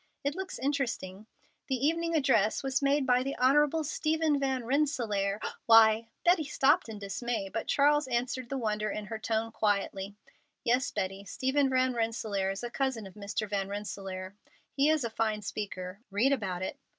It looks interesting. The evening address was made by the Honorable Stephen Van Rensselaer. Why——" Betty stopped in dismay, but Charles answered the wonder in her tone quietly: "Yes, Betty, Stephen Van Rensselaer is a cousin of Mr. Van Rensselaer. He is a fine speaker. Read about it."